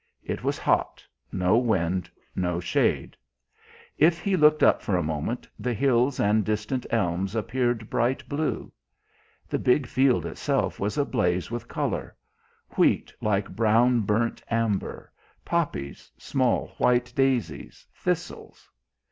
It was hot, no wind, no shade. If he looked up for a moment, the hills and distant elms appeared bright blue. The big field itself was ablaze with colour; wheat like brown burnt amber, poppies, small white daisies, thistles.